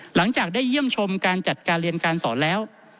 หลังจากได้เยี่ยมชมการจัดการเรียนการสอนแล้ว